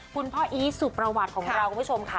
คุณพ่ออีทสุประวัติของเราคุณผู้ชมค่ะ